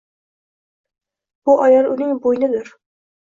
Bu ayol uning boʻynidir.